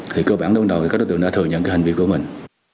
thì cơ bản lúc đầu thì các đối tượng đã thừa nhận hành vi của mình